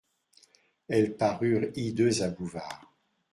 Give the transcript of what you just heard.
Elles parurent hideuses à Bouvard.